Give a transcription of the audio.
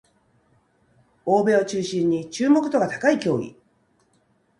欧米を中心に注目度が高い競技